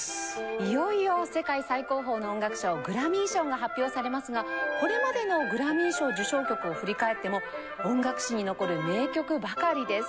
いよいよ世界最高峰の音楽賞グラミー賞が発表されますがこれまでのグラミー賞受賞曲を振り返っても音楽史に残る名曲ばかりです。